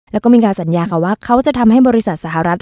แล้วก็มีการสัญญาค่ะว่าเขาจะทำให้บริษัทสหรัฐ